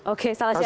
oke salah siapa